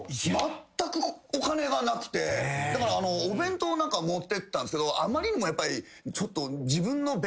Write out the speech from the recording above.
だからお弁当なんか持ってったんすけどあまりにもやっぱり。